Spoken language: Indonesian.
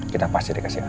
kita pasti dikasih alam